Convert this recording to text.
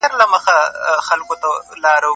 آیا ملا بانګ به بیا هم په دې غږ پسې لاړ شي؟